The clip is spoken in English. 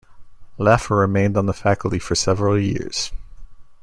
Laffer remained on the faculty for several years.